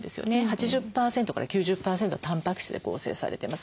８０％から９０％はたんぱく質で構成されてます。